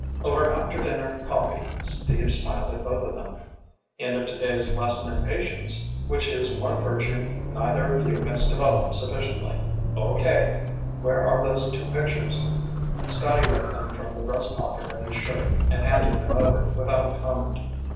Over after dinner coffee, Steve smiled at both of them. "End of today's lesson in patience, which is one virtue neither of you has developed sufficiently. Okay, where are those two pictures?" Scotty whipped them from the breast pocket of his shirt and handed them over without comment.